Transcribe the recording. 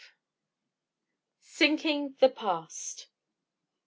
SINKING THE PAST.